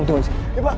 kita rogang tempur anda